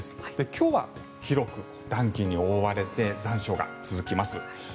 今日は広く暖気に覆われて残暑が続きます。